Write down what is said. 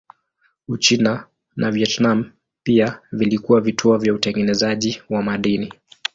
Uchina na Vietnam pia vilikuwa vituo vya utengenezaji wa madini.